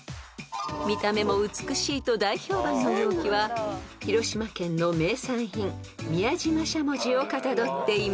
［見た目も美しいと大評判の容器は広島県の名産品宮島しゃもじをかたどっています］